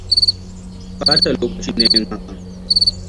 Ɓata lokaci ne yin hakan.